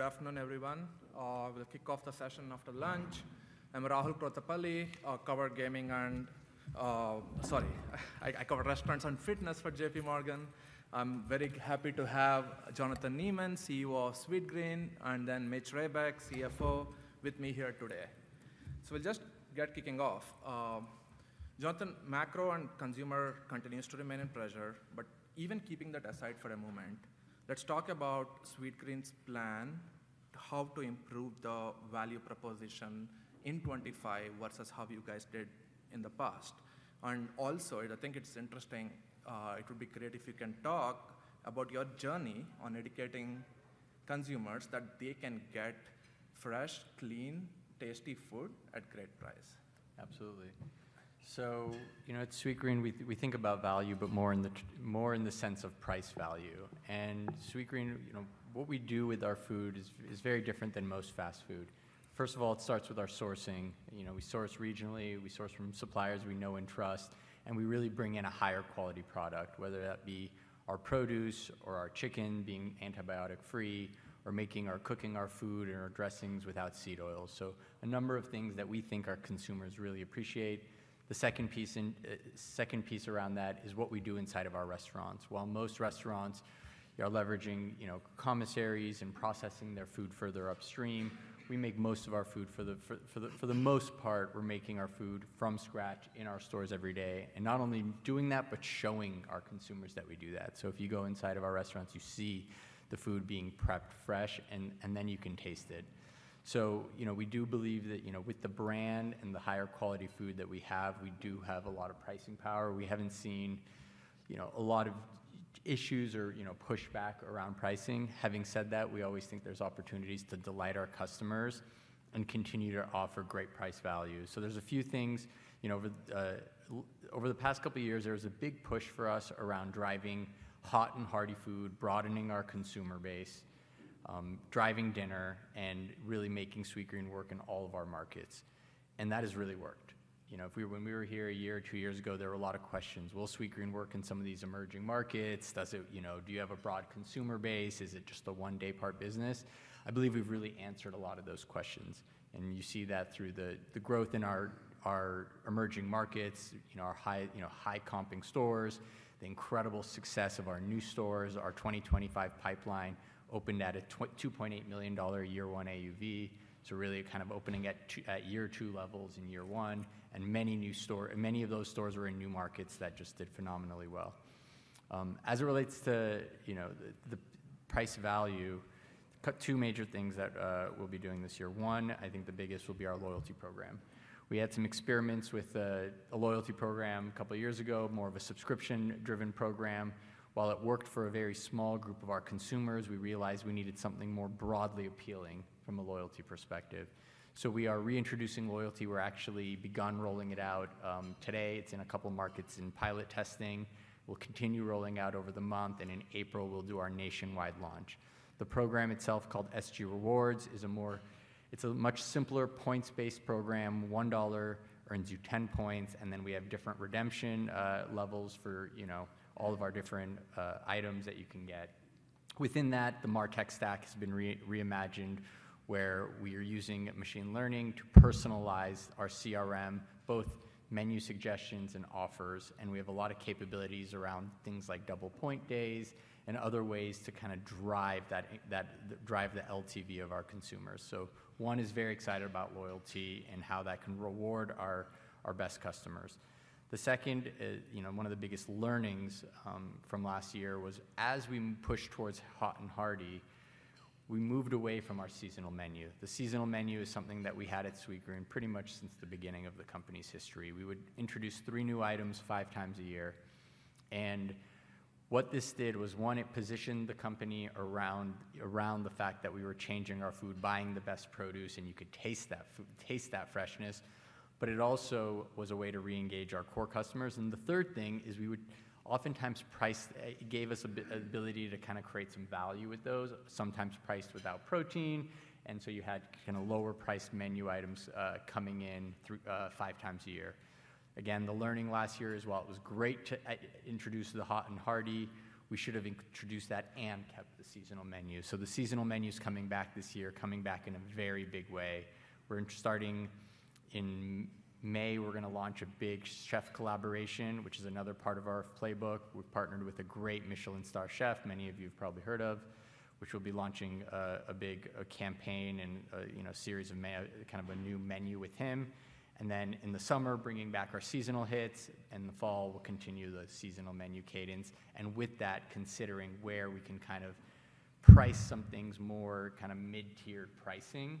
Good afternoon, everyone. We'll kick off the session after lunch. I'm Rahul Krotthapalli. I cover restaurants and fitness for JPMorgan. I'm very happy to have Jonathan Neman, CEO of Sweetgreen, and then Mitch Reback, CFO, with me here today. We'll just get kicking off. Jonathan, macro and consumer continue to remain in pressure, but even keeping that aside for a moment, let's talk about Sweetgreen's plan, how to improve the value proposition in 2025 versus how you guys did in the past. I think it's interesting, it would be great if you can talk about your journey on educating consumers that they can get fresh, clean, tasty food at great price. Absolutely. You know, at Sweetgreen, we think about value, but more in the sense of price value. At Sweetgreen, what we do with our food is very different than most fast food. First of all, it starts with our sourcing. We source regionally, we source from suppliers we know and trust, and we really bring in a higher quality product, whether that be our produce or our chicken being antibiotic-free, or making or cooking our food and our dressings without seed oils. A number of things that we think our consumers really appreciate. The second piece around that is what we do inside of our restaurants. While most restaurants are leveraging commissaries and processing their food further upstream, we make most of our food, for the most part, we're making our food from scratch in our stores every day. Not only doing that, but showing our consumers that we do that. If you go inside of our restaurants, you see the food being prepped fresh, and then you can taste it. We do believe that with the brand and the higher quality food that we have, we do have a lot of pricing power. We have not seen a lot of issues or pushback around pricing. Having said that, we always think there are opportunities to delight our customers and continue to offer great price value. There are a few things. Over the past couple of years, there was a big push for us around driving hot and hearty food, broadening our consumer base, driving dinner, and really making Sweetgreen work in all of our markets. That has really worked. When we were here a year or two years ago, there were a lot of questions. Will Sweetgreen work in some of these emerging markets? Do you have a broad consumer base? Is it just a one-day part business? I believe we've really answered a lot of those questions. You see that through the growth in our emerging markets, our high-comping stores, the incredible success of our new stores, our 2025 pipeline opened at a $2.8 million year-one AUV. Really kind of opening at year-two levels in year one. Many of those stores were in new markets that just did phenomenally well. As it relates to the price value, two major things that we'll be doing this year. One, I think the biggest will be our loyalty program. We had some experiments with a loyalty program a couple of years ago, more of a subscription-driven program. While it worked for a very small group of our consumers, we realized we needed something more broadly appealing from a loyalty perspective. We are reintroducing loyalty. We've actually begun rolling it out today. It's in a couple of markets in pilot testing. We'll continue rolling out over the month, and in April, we'll do our nationwide launch. The program itself, called SG Rewards, is a much simpler points-based program. $1 earns you 10 points, and then we have different redemption levels for all of our different items that you can get. Within that, the MarTech stack has been reimagined, where we are using machine learning to personalize our CRM, both menu suggestions and offers. We have a lot of capabilities around things like double point days and other ways to kind of drive the LTV of our consumers. One is very excited about loyalty and how that can reward our best customers. The second, one of the biggest learnings from last year, was as we pushed towards hot and hearty, we moved away from our seasonal menu. The seasonal menu is something that we had at Sweetgreen pretty much since the beginning of the company's history. We would introduce three new items five times a year. What this did was, one, it positioned the company around the fact that we were changing our food, buying the best produce, and you could taste that freshness. It also was a way to re-engage our core customers. The third thing is we would oftentimes price give us an ability to kind of create some value with those, sometimes priced without protein. You had kind of lower-priced menu items coming in five times a year. Again, the learning last year is, while it was great to introduce the hot and hearty, we should have introduced that and kept the seasonal menu. The seasonal menu's coming back this year, coming back in a very big way. We're starting in May, we're going to launch a big chef collaboration, which is another part of our playbook. We've partnered with a great Michelin-star chef, many of you have probably heard of, which will be launching a big campaign and a series of kind of a new menu with him. In the summer, bringing back our seasonal hits. In the fall, we'll continue the seasonal menu cadence. With that, considering where we can kind of price some things more kind of mid-tier pricing.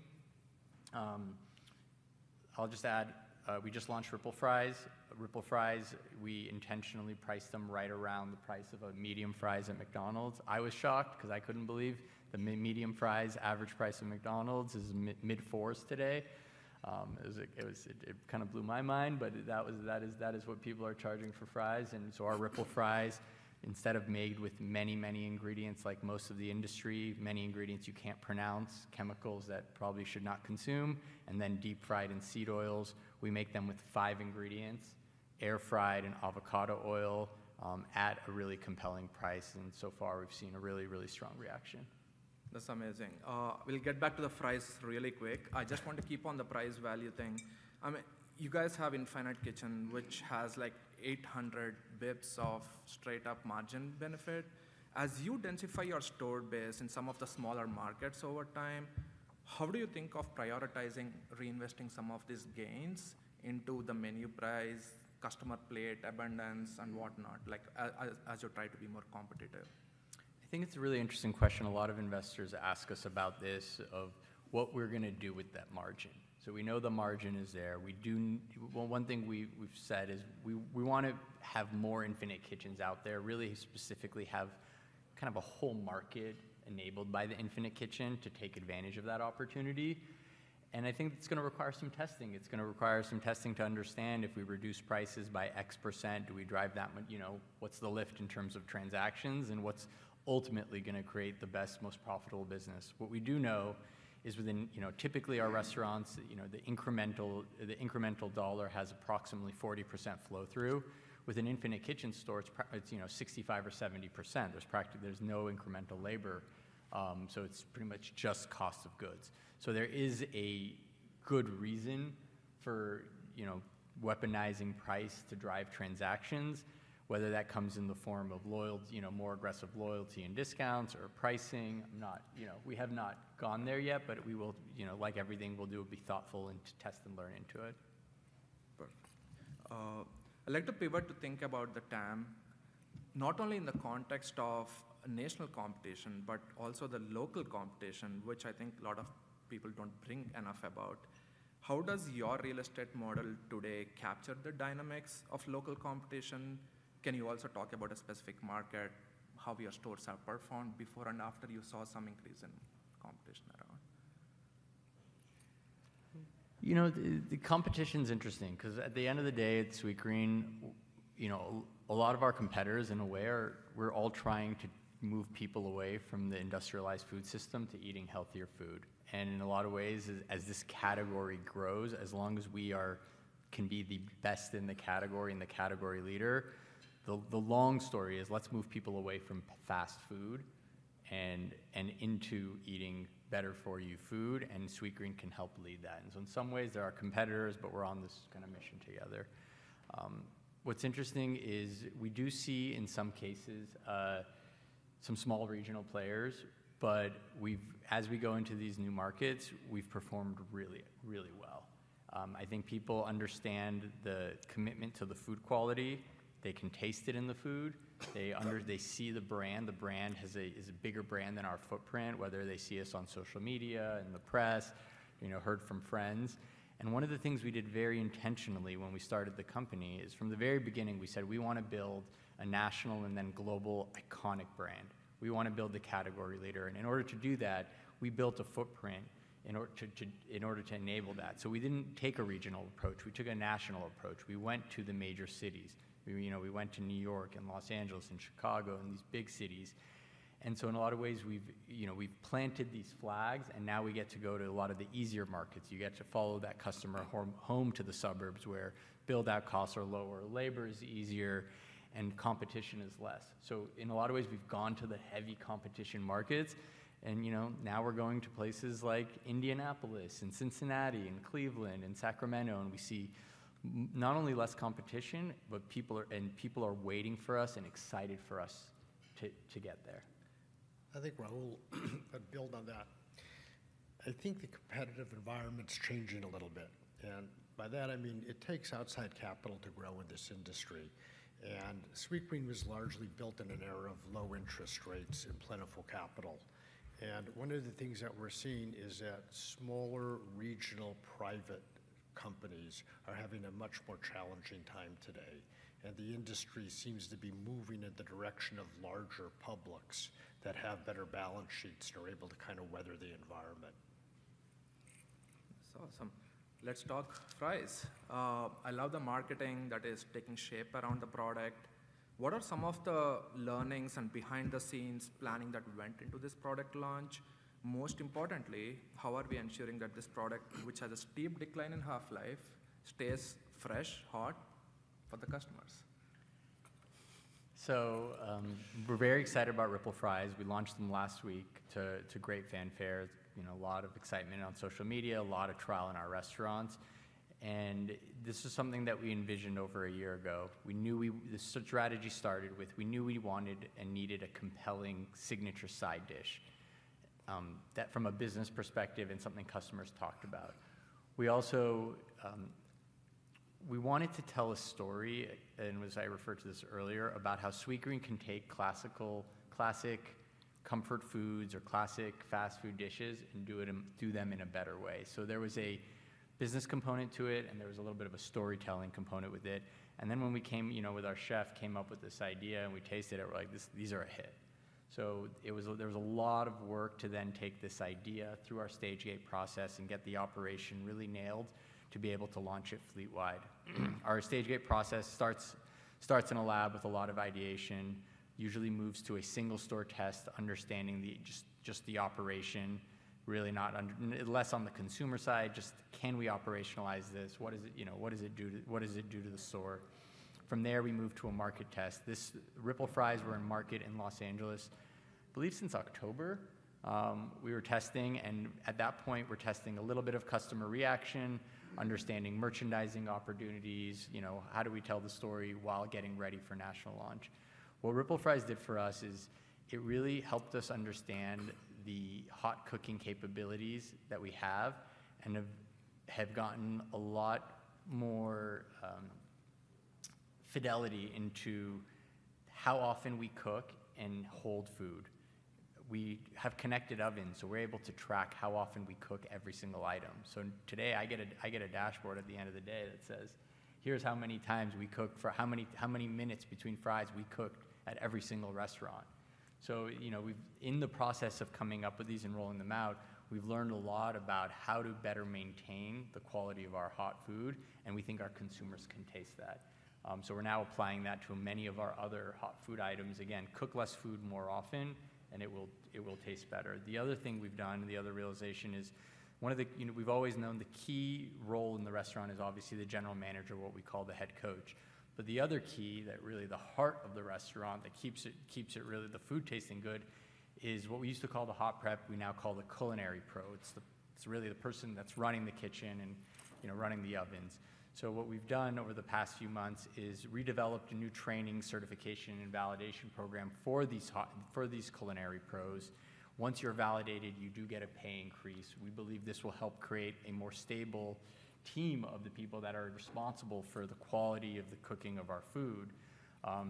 I'll just add, we just launched Ripple Fries. Ripple Fries, we intentionally priced them right around the price of a medium fries at McDonald's. I was shocked because I couldn't believe the medium fries average price at McDonald's is mid-$4s today. It kind of blew my mind, but that is what people are charging for fries. Our Ripple Fries, instead of made with many, many ingredients like most of the industry, many ingredients you can't pronounce, chemicals that probably should not consume, and then deep-fried in seed oils, we make them with five ingredients, air-fried in avocado oil at a really compelling price. So far, we've seen a really, really strong reaction. That's amazing. We'll get back to the fries really quick. I just want to keep on the price value thing. You guys have Infinite Kitchen, which has like 800 basis points of straight-up margin benefit. As you densify your store base in some of the smaller markets over time, how do you think of prioritizing reinvesting some of these gains into the menu price, customer plate abundance, and whatnot, as you try to be more competitive? I think it's a really interesting question. A lot of investors ask us about this, of what we're going to do with that margin. We know the margin is there. One thing we've said is we want to have more Infinite Kitchens out there, really specifically have kind of a whole market enabled by the Infinite Kitchen to take advantage of that opportunity. I think it's going to require some testing. It's going to require some testing to understand if we reduce prices by X %, do we drive that much, what's the lift in terms of transactions, and what's ultimately going to create the best, most profitable business. What we do know is within typically our restaurants, the incremental dollar has approximately 40% flow-through. With an Infinite Kitchen store, it's 65% or 70%. There's no incremental labor. It's pretty much just the cost of goods. There is a good reason for weaponizing price to drive transactions, whether that comes in the form of more aggressive loyalty and discounts or pricing. We have not gone there yet, but like everything, we'll be thoughtful and test and learn into it. Perfect. I'd like to pivot to think about the TAM, not only in the context of national competition, but also the local competition, which I think a lot of people don't bring enough about. How does your real estate model today capture the dynamics of local competition? Can you also talk about a specific market, how your stores have performed before and after you saw some increase in competition around? You know, the competition's interesting because at the end of the day, at Sweetgreen, a lot of our competitors, in a way, we're all trying to move people away from the industrialized food system to eating healthier food. In a lot of ways, as this category grows, as long as we can be the best in the category and the category leader, the long story is let's move people away from fast food and into eating better-for-you food, and Sweetgreen can help lead that. In some ways, there are competitors, but we're on this kind of mission together. What's interesting is we do see in some cases some small regional players, but as we go into these new markets, we've performed really, really well. I think people understand the commitment to the food quality. They can taste it in the food. They see the brand. The brand is a bigger brand than our footprint, whether they see us on social media, in the press, heard from friends. One of the things we did very intentionally when we started the company is from the very beginning, we said we want to build a national and then global iconic brand. We want to build the category leader. In order to do that, we built a footprint in order to enable that. We did not take a regional approach. We took a national approach. We went to the major cities. We went to New York and Los Angeles and Chicago and these big cities. In a lot of ways, we have planted these flags, and now we get to go to a lot of the easier markets. You get to follow that customer home to the suburbs where build-out costs are lower, labor is easier, and competition is less. In a lot of ways, we've gone to the heavy competition markets. Now we're going to places like Indianapolis and Cincinnati and Cleveland and Sacramento, and we see not only less competition, but people are waiting for us and excited for us to get there. I think Rahul could build on that. I think the competitive environment's changing a little bit. By that, I mean it takes outside capital to grow in this industry. Sweetgreen was largely built in an era of low interest rates and plentiful capital. One of the things that we're seeing is that smaller regional private companies are having a much more challenging time today. The industry seems to be moving in the direction of larger publics that have better balance sheets and are able to kind of weather the environment. That's awesome. Let's talk fries. I love the marketing that is taking shape around the product. What are some of the learnings and behind-the-scenes planning that went into this product launch? Most importantly, how are we ensuring that this product, which has a steep decline in half-life, stays fresh and hot for the customers? We're very excited about Ripple Fries. We launched them last week to great fanfare. A lot of excitement on social media, a lot of trial in our restaurants. This is something that we envisioned over a year ago. The strategy started with we knew we wanted and needed a compelling signature side dish from a business perspective and something customers talked about. We wanted to tell a story, and as I referred to this earlier, about how Sweetgreen can take classic comfort foods or classic fast food dishes and do them in a better way. There was a business component to it, and there was a little bit of a storytelling component with it. When we came with our chef, came up with this idea, and we tasted it, we're like, these are a hit. There was a lot of work to then take this idea through our Stage-Gate process and get the operation really nailed to be able to launch it fleet-wide. Our Stage-Gate process starts in a lab with a lot of ideation, usually moves to a single store test, understanding just the operation, really not less on the consumer side, just can we operationalize this? What does it do to the store? From there, we move to a market test. Ripple Fries were in the market in Los Angeles, I believe, since October. We were testing, and at that point, we're testing a little bit of customer reaction, understanding merchandising opportunities, how do we tell the story while getting ready for the national launch. What Ripple Fries did for us is it really helped us understand the hot cooking capabilities that we have and have gotten a lot more fidelity into how often we cook and hold food. We have connected ovens, so we're able to track how often we cook every single item. Today, I get a dashboard at the end of the day that says, here's how many times we cooked, how many minutes between fries we cooked at every single restaurant. In the process of coming up with these and rolling them out, we've learned a lot about how to better maintain the quality of our hot food, and we think our consumers can taste that. We're now applying that to many of our other hot food items. Again, cook less food more often, and it will taste better. The other thing we've done, the other realization is we've always known the key role in the restaurant is obviously the general manager, what we call the head coach. The other key that really the heart of the restaurant that keeps it really the food tasting good is what we used to call the hot prep, we now call the culinary pro. It's really the person that's running the kitchen and running the ovens. What we've done over the past few months is redeveloped a new training, certification, and validation program for these culinary pros. Once you're validated, you do get a pay increase. We believe this will help create a more stable team of the people that are responsible for the quality of the cooking of our food.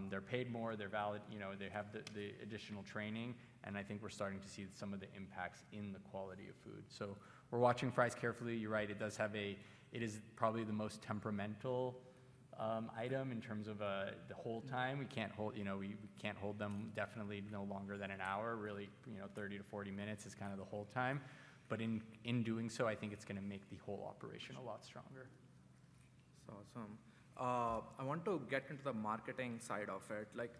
They're paid more, they have the additional training, and I think we're starting to see some of the impacts in the quality of food. We're watching fries carefully. You're right, it is probably the most temperamental item in terms of the hold time. We can't hold them definitely no longer than an hour, really 30-40 minutes is kind of the hold time. In doing so, I think it's going to make the whole operation a lot stronger. That's awesome. I want to get into the marketing side of it.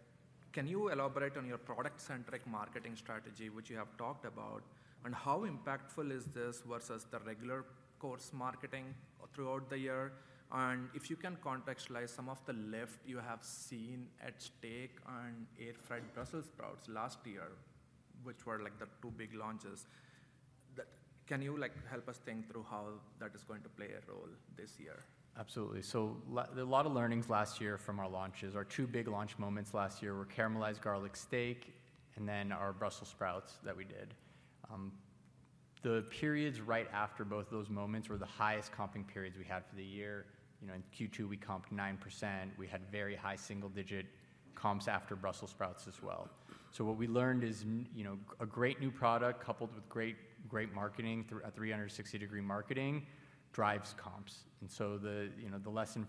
Can you elaborate on your product-centric marketing strategy, which you have talked about, and how impactful is this versus the regular course marketing throughout the year? If you can contextualize some of the lift you have seen at steak on air-fried Brussels sprouts last year, which were like the two big launches, can you help us think through how that is going to play a role this year? Absolutely. A lot of learnings last year from our launches. Our two big launch moments last year were caramelized garlic steak and then our Brussels sprouts that we did. The periods right after both of those moments were the highest comping periods we had for the year. In Q2, we comped 9%. We had very high single-digit comps after Brussels sprouts as well. What we learned is a great new product, coupled with great marketing, 360-degree marketing, drives comps. The lesson,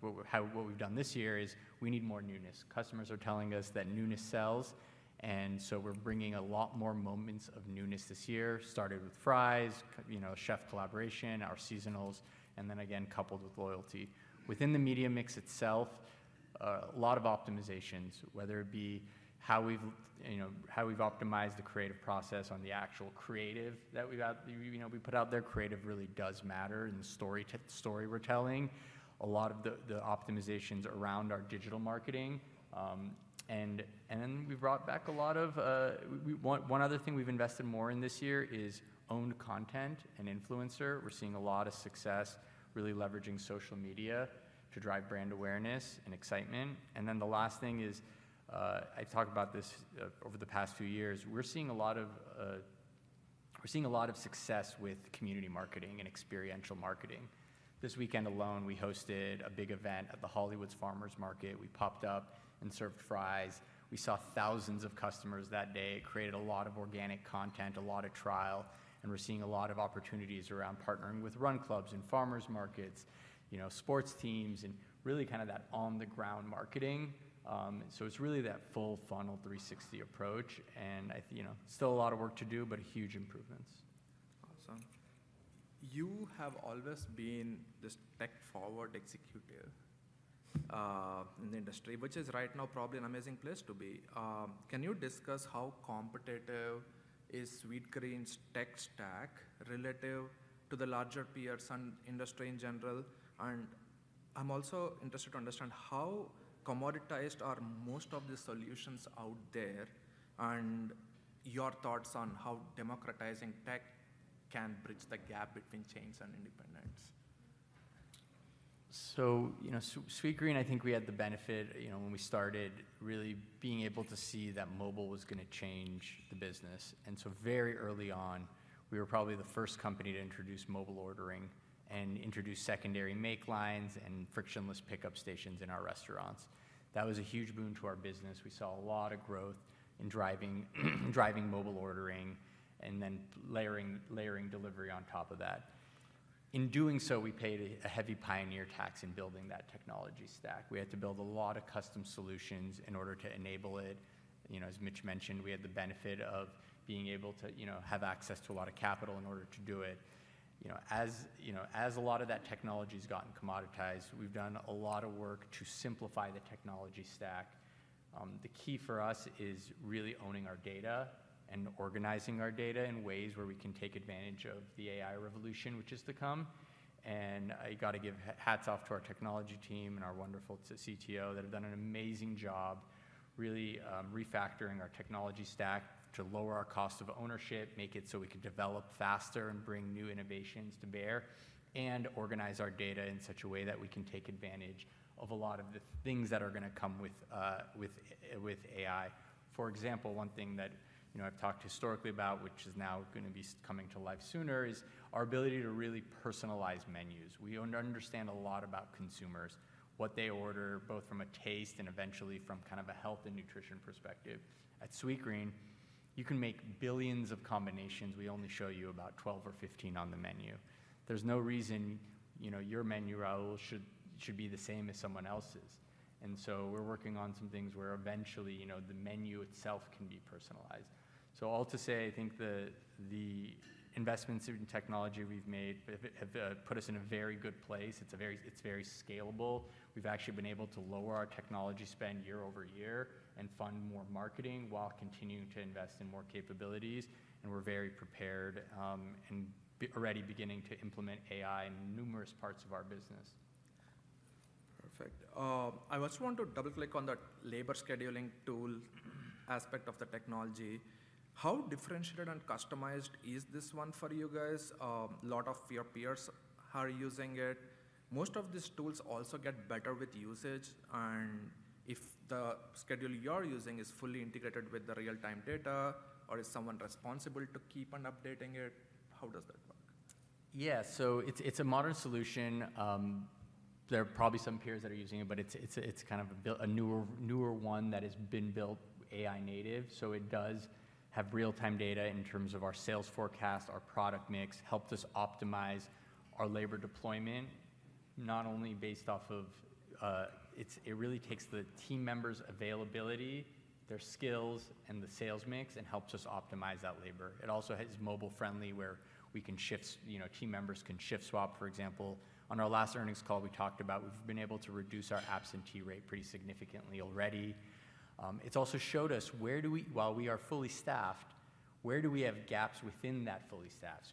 what we've done this year is we need more newness. Customers are telling us that newness sells, and we're bringing a lot more moments of newness this year, started with fries, chef collaboration, our seasonals, and then again, coupled with loyalty. Within the media mix itself, a lot of optimizations, whether it be how we've optimized the creative process on the actual creative that we put out there. Creative really does matter in the story we're telling. A lot of the optimizations around our digital marketing. Then we brought back a lot of one other thing we've invested more in this year is owned content and influencer. We're seeing a lot of success really leveraging social media to drive brand awareness and excitement. The last thing is I talk about this over the past few years. We're seeing a lot of success with community marketing and experiential marketing. This weekend alone, we hosted a big event at the Hollywood Farmers Market. We popped up and served fries. We saw thousands of customers that day. It created a lot of organic content, a lot of trial. We're seeing a lot of opportunities around partnering with run clubs and farmers markets, sports teams, and really kind of that on-the-ground marketing. It is really that full funnel 360 approach. Still a lot of work to do, but huge improvements. Awesome. You have always been this tech-forward executive in the industry, which is right now probably an amazing place to be. Can you discuss how competitive is Sweetgreen's tech stack relative to the larger peers and industry in general? I am also interested to understand how commoditized are most of the solutions out there and your thoughts on how democratizing tech can bridge the gap between chains and independents. Sweetgreen, I think we had the benefit when we started really being able to see that mobile was going to change the business. Very early on, we were probably the first company to introduce mobile ordering and introduce secondary make lines and frictionless pickup stations in our restaurants. That was a huge boon to our business. We saw a lot of growth in driving mobile ordering and then layering delivery on top of that. In doing so, we paid a heavy pioneer tax in building that technology stack. We had to build a lot of custom solutions in order to enable it. As Mitch mentioned, we had the benefit of being able to have access to a lot of capital in order to do it. As a lot of that technology has gotten commoditized, we've done a lot of work to simplify the technology stack. The key for us is really owning our data and organizing our data in ways where we can take advantage of the AI revolution, which is to come. I got to give hats off to our technology team and our wonderful CTO that have done an amazing job really refactoring our technology stack to lower our cost of ownership, make it so we can develop faster and bring new innovations to bear, and organize our data in such a way that we can take advantage of a lot of the things that are going to come with AI. For example, one thing that I've talked historically about, which is now going to be coming to life sooner, is our ability to really personalize menus. We understand a lot about consumers, what they order, both from a taste and, eventually from kind of a health and nutrition perspective. At Sweetgreen, you can make billions of combinations. We only show you about 12 or 15 on the menu. There's no reason your menu role should be the same as someone else's. We're working on some things where eventually the menu itself can be personalized. All to say, I think the investments in technology we've made have put us in a very good place. It's very scalable. We've actually been able to lower our technology spend year over year and fund more marketing while continuing to invest in more capabilities. We're very prepared and already beginning to implement AI in numerous parts of our business. Perfect. I just want to double-click on the labor scheduling tool aspect of the technology. How differentiated and customized is this one for you guys? A lot of your peers are using it. Most of these tools also get better with usage. If the schedule you're using is fully integrated with the real-time data, or is someone responsible to keep on updating it? How does that work? Yeah, so it's a modern solution. There are probably some peers that are using it, but it's kind of a newer one that has been built AI-native. It does have real-time data in terms of our sales forecast, our product mix, helps us optimize our labor deployment, not only based off of it really takes the team members' availability, their skills, and the sales mix, and helps us optimize that labor. It also mobile-friendly, where team members can shift swap, for example. On our last earnings call, we talked about we've been able to reduce our absentee rate pretty significantly already. It's also showed us, while we are fully staffed, where do we have gaps within that fully staffed?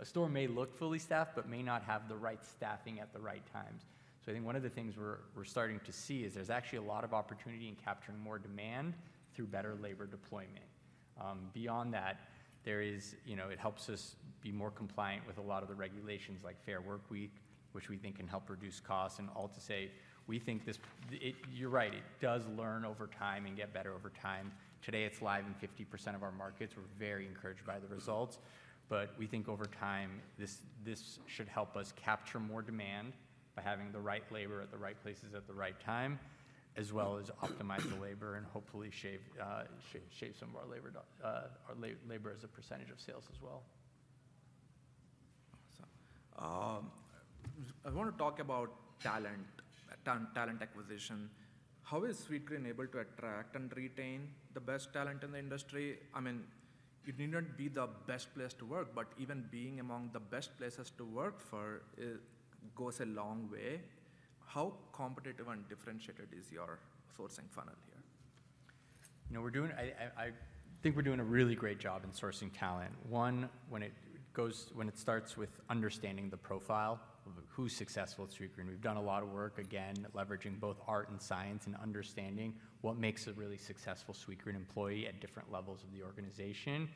A store may look fully staffed, but may not have the right staffing at the right times. I think one of the things we're starting to see is there's actually a lot of opportunity in capturing more demand through better labor deployment. Beyond that, it helps us be more compliant with a lot of the regulations, like Fair Workweek, which we think can help reduce costs. All to say, you're right, it does learn over time and get better over time. Today, it's live in 50% of our markets. We're very encouraged by the results. We think over time, this should help us capture more demand by having the right labor at the right places at the right time, as well as optimize the labor and hopefully shave some of our labor as a percentage of sales as well. Awesome. I want to talk about talent, talent acquisition. How is Sweetgreen able to attract and retain the best talent in the industry? I mean, it needn't be the best place to work, but even being among the best places to work for goes a long way. How competitive and differentiated is your sourcing funnel here? I think we're doing a really great job in sourcing talent. One, when it starts with understanding the profile of who's successful at Sweetgreen. We've done a lot of work, again, leveraging both art and science in understanding what makes a really successful Sweetgreen employee at different levels of the organization.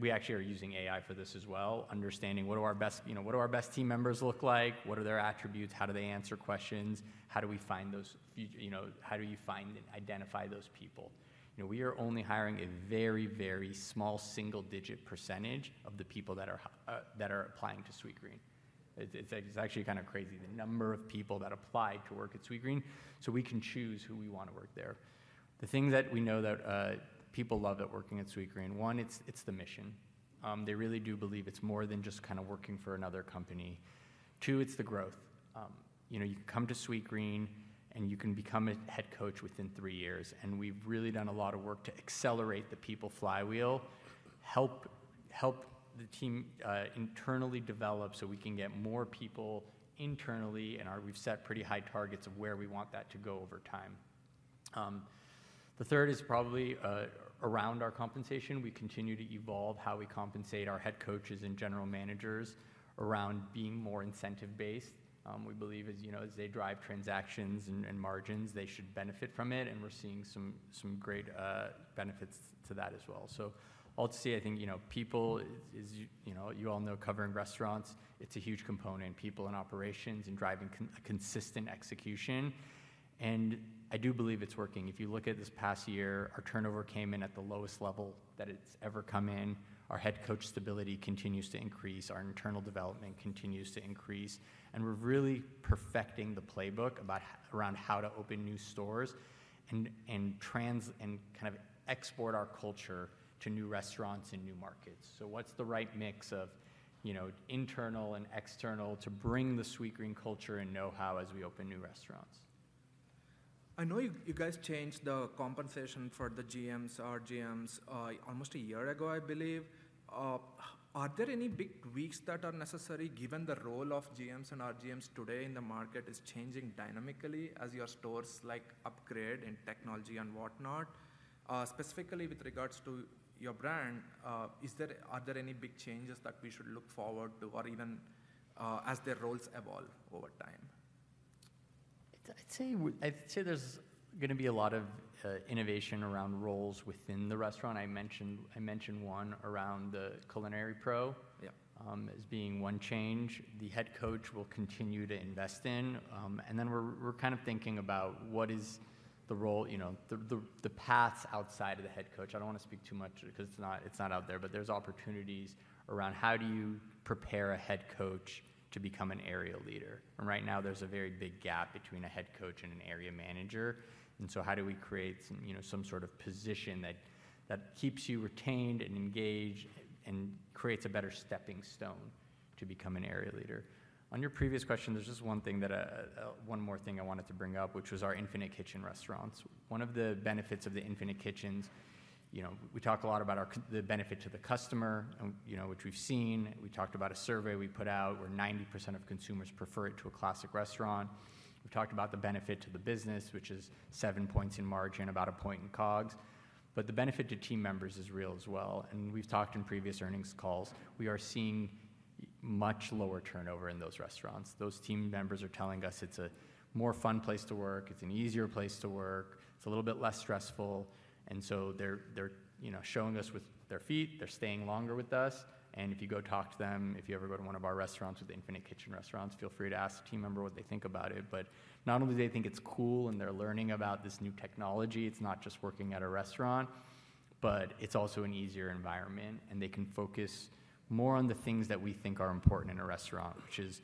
We actually are using AI for this as well, understanding what do our best team members look like, what are their attributes, how do they answer questions, how do we find those, how do you find and identify those people. We are only hiring a very, very small single-digit percentage of the people that are applying to Sweetgreen. It's actually kind of crazy, the number of people that apply to work at Sweetgreen. We can choose who we want to work there. The thing that we know that people love at working at Sweetgreen, one, it's the mission. They really do believe it's more than just kind of working for another company. Two, it's the growth. You can come to Sweetgreen, and you can become a head coach within three years. We've really done a lot of work to accelerate the people flywheel, help the team internally develop so we can get more people internally, and we've set pretty high targets of where we want that to go over time. The third is probably around our compensation. We continue to evolve how we compensate our head coaches and general managers around being more incentive-based. We believe as they drive transactions and margins, they should benefit from it. We're seeing some great benefits to that as well. All to say, I think people, as you all know, covering restaurants, it's a huge component, people in operations, and driving consistent execution. I do believe it's working. If you look at this past year, our turnover came in at the lowest level that it's ever come in. Our head coach stability continues to increase. Our internal development continues to increase. We're really perfecting the playbook around how to open new stores and kind of export our culture to new restaurants and new markets. What's the right mix of internal and external to bring the Sweetgreen culture and know-how as we open new restaurants? I know you guys changed the compensation for the GMs, RGMs almost a year ago, I believe. Are there any big tweaks that are necessary, given the role of GMs and RGMs today in the market is changing dynamically as your stores upgrade in technology and whatnot? Specifically with regards to your brand, are there any big changes that we should look forward to or even as their roles evolve over time? I'd say there's going to be a lot of innovation around roles within the restaurant. I mentioned one around the culinary pro as being one change. The head coach will continue to invest in. We're kind of thinking about what is the role, the paths outside of the head coach. I don't want to speak too much because it's not out there, but there's opportunities around how do you prepare a head coach to become an area leader. Right now, there's a very big gap between a head coach and an area manager. How do we create some sort of position that keeps you retained and engaged and creates a better stepping stone to become an area leader? On your previous question, there's just one more thing I wanted to bring up, which was our Infinite Kitchen restaurants. One of the benefits of the Infinite Kitchen, we talk a lot about the benefit to the customer, which we've seen. We talked about a survey we put out where 90% of consumers prefer it to a classic restaurant. We’ve talked about the benefit to the business, which is seven points in margin, about a point in COGS. The benefit to team members is real as well. We’ve talked in previous earnings calls. We are seeing much lower turnover in those restaurants. Those team members are telling us it’s a more fun place to work. It’s an easier place to work. It’s a little bit less stressful. They’re showing us with their feet. They’re staying longer with us. If you go talk to them, if you ever go to one of our Infinite Kitchen restaurants, feel free to ask a team member what they think about it. Not only do they think it's cool and they're learning about this new technology, it's not just working at a restaurant, but it's also an easier environment. They can focus more on the things that we think are important in a restaurant, which is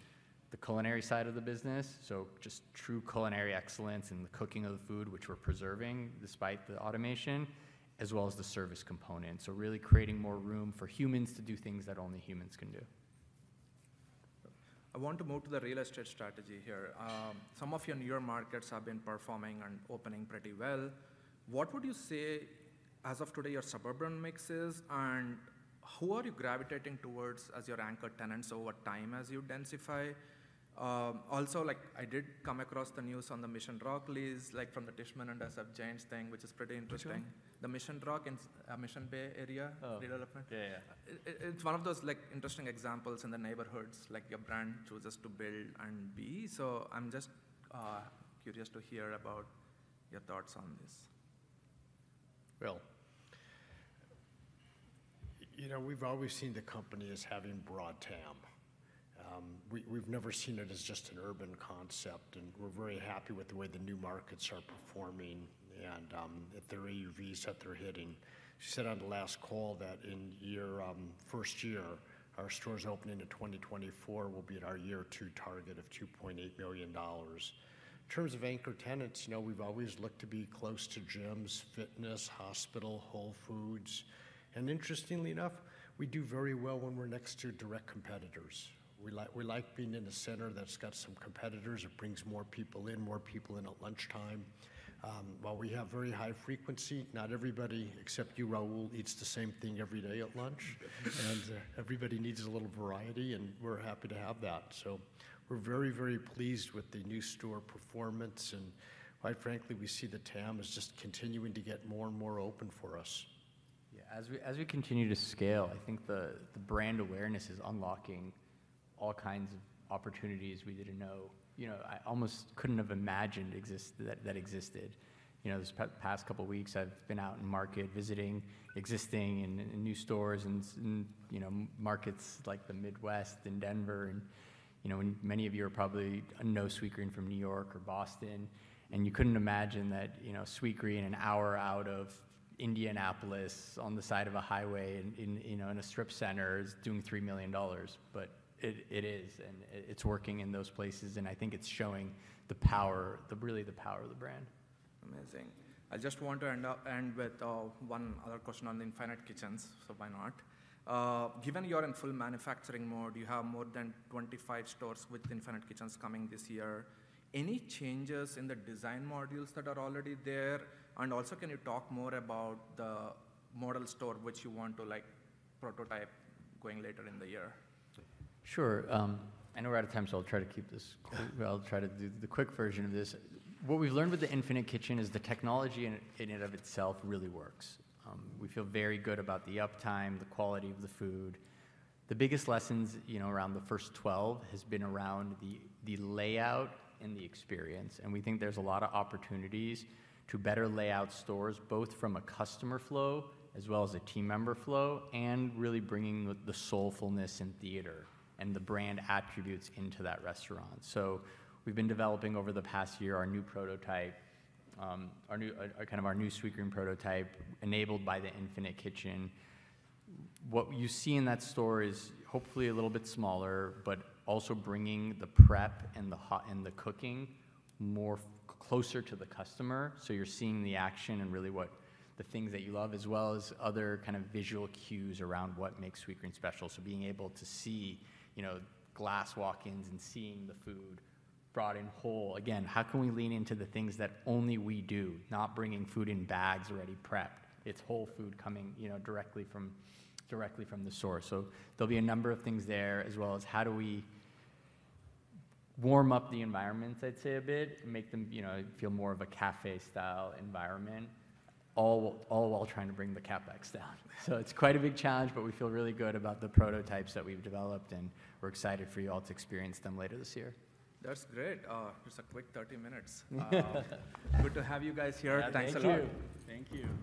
the culinary side of the business, just true culinary excellence and the cooking of the food, which we're preserving despite the automation, as well as the service component. Really creating more room for humans to do things that only humans can do. I want to move to the real estate strategy here. Some of your newer markets have been performing and opening pretty well. What would you say, as of today, your suburban mix is? And who are you gravitating towards as your anchor tenants over time as you densify? Also, I did come across the news on the Mission Bay lease from the Tishman and SF Giants thing, which is pretty interesting? Tishman? The Mission Rock in Mission Bay area development. Yeah, yeah. It's one of those interesting examples in the neighborhoods like your brand chooses to build and be. I'm just curious to hear about your thoughts on this. We've always seen the company as having broad TAM. We've never seen it as just an urban concept. We are very happy with the way the new markets are performing and the AUVs that they're hitting. She said on the last call that in the first year, our stores opening in 2024 will be at our year two target of $2.8 million. In terms of anchor tenants, we've always looked to be close to gyms, fitness, hospital, Whole Foods. Interestingly enough, we do very well when we're next to direct competitors. We like being in the center that's got some competitors. It brings more people in, more people in at lunchtime. While we have very high frequency, not everybody except you, Rahul, eats the same thing every day at lunch. Everybody needs a little variety. We are happy to have that. We're very, very pleased with the new store performance. Quite frankly, we see the TAM is just continuing to get more and more open for us. Yeah, as we continue to scale, I think the brand awareness is unlocking all kinds of opportunities we didn't know. I almost couldn't have imagined that existed. This past couple of weeks, I've been out in market visiting existing new stores and markets like the Midwest and Denver. Many of you probably know Sweetgreen from New York or Boston. You couldn't imagine that Sweetgreen, an hour out of Indianapolis on the side of a highway in a strip center,, is doing $3 million. It is. It's working in those places. I think it's showing the power, really the power of the brand. Amazing. I just want to end with one other question on the Infinite Kitchen. Why not? Given you're in full manufacturing mode, you have more than 25 stores with Infinite Kitchen coming this year. Any changes in the design modules that are already there? Also, can you talk more about the model store which you want to prototype going later in the year? Sure. I know we're out of time, so I'll try to keep this. I'll try to do the quick version of this. What we've learned with the Infinite Kitchen is the technology in and of itself really works. We feel very good about the uptime and the quality of the food. The biggest lessons around the first 12 has been around the layout and the experience. We think there's a lot of opportunities to better layout stores both from a customer flow as well as a team member flow and really bringing the soulfulness and theater and the brand attributes into that restaurant. We have been developing over the past year our new prototype, kind of our new Sweetgreen prototype, enabled by the Infinite Kitchen. What you see in that store is hopefully a little bit smaller, but also bringing the prep and the cooking closer to the customer. You're seeing the action and really what the things that you love, as well as other kind of visual cues around what makes Sweetgreen special. Being able to see glass walk-ins and seeing the food brought in whole. Again, how can we lean into the things that only we do, not bringing food in bags already prepped? It's whole food coming directly from the source. There will be a number of things there, as well as how do we warm up the environments, I'd say a bit, make them feel more of a cafe-style environment, all while trying to bring the CapEx down. It's quite a big challenge, but we feel really good about the prototypes that we've developed. We're excited for you all to experience them later this year. That's great. Just a quick 30 minutes. Good to have you guys here. Thanks a lot. Thank you.